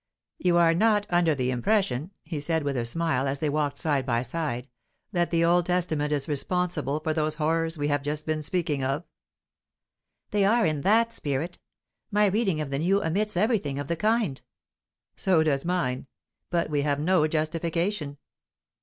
"You are not under the impression," he said, with a smile, as they walked side by side, "that the Old Testament is responsible for those horrors we have just been speaking of?" "They are in that spirit. My reading of the New omits everything of the kind." "So does mine. But we have no justification."